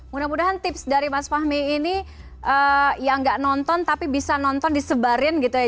mudah mudahan tips dari mas fahmi ini yang nggak nonton tapi bisa nonton disebarin gitu ya